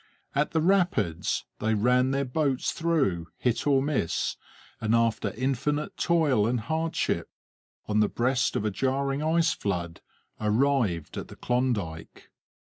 At the rapids they ran their boats through, hit or miss, and after infinite toil and hardship, on the breast of a jarring ice flood, arrived at the Klondike.